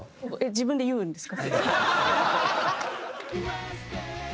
自分で言うんですか？